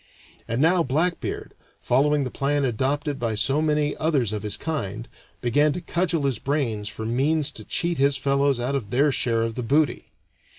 And now Blackbeard, following the plan adopted by so many others of his kind, began to cudgel his brains for means to cheat his fellows out of their share of the booty.